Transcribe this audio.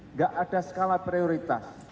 nggak ada skala prioritas